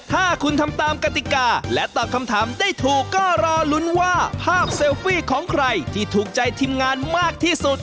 ถ้าคุณทำตามกติกาและตอบคำถามได้ถูกก็รอลุ้นว่าภาพเซลฟี่ของใครที่ถูกใจทีมงานมากที่สุด